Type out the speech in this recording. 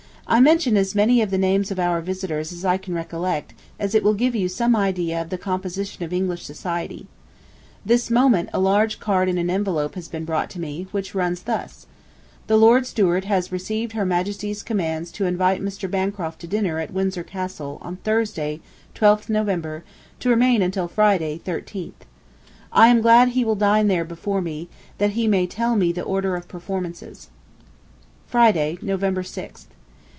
I mention as many of the names of our visitors as I can recollect, as it will give you some idea of the composition of English society ... This moment a large card in an envelope has been brought me, which runs thus: "The Lord Steward has received Her Majesty's commands to invite Mr. Bancroft to dinner at Windsor Castle on Thursday, 12th November, to remain until Friday, 13th." I am glad he will dine there before me, that he may tell me the order of performances. Friday, November 6th.